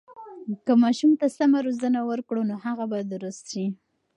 که ماشوم ته سمه روزنه ورکړو، نو هغه به درست شي.